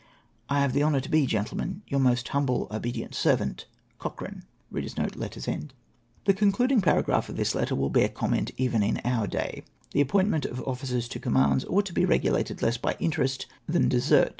" I have the honour to be, " Gentlemen, " Your most humble obedient servant, " Cochrane." The concluding paragraph of this letter will bear comment, even in our clay. The appointment of officers to commands ought to be regulated less by interest than desert.